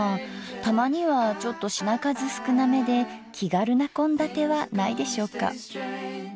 たまにはちょっと品数少なめで気軽な献立はないでしょうか？